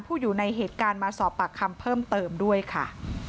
อยู่ในเหตุการณ์มาสอบปากคำเพิ่มเติมด้วยค่ะ